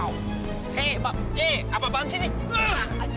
hei pak hei apa apaan sih ini